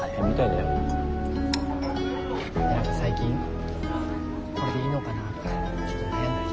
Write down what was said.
何か最近これでいいのかなとかちょっと悩んだり。